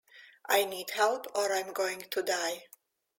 I need help or I'm going to die.